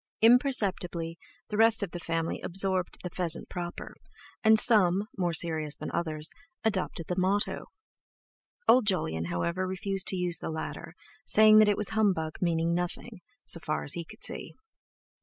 Imperceptibly the rest of the family absorbed the "pheasant proper," and some, more serious than others, adopted the motto; old Jolyon, however, refused to use the latter, saying that it was humbug meaning nothing, so far as he could see.